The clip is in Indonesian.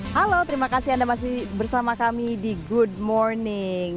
halo terima kasih anda masih bersama kami di good morning